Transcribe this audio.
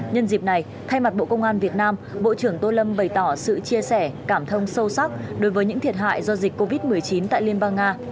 nhân dịp này thay mặt bộ công an việt nam bộ trưởng tô lâm bày tỏ sự chia sẻ cảm thông sâu sắc đối với những thiệt hại do dịch covid một mươi chín tại liên bang nga